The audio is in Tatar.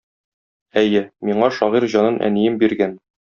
Әйе, миңа шагыйрь җанын әнием биргән.